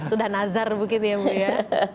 sudah nazar begitu ya bu ya